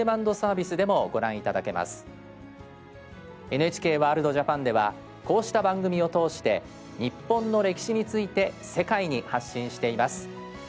ＮＨＫワールドＪＡＰＡＮではこうした番組を通して日本の歴史について世界に発信しています。